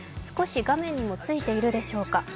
少し画面にもついているでしょうか。